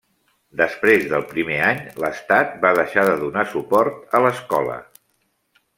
Després del primer any, l'estat va deixar de donar suport a l'escola.